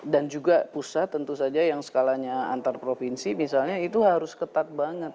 dan juga pusat tentu saja yang skalanya antar provinsi misalnya itu harus ketat banget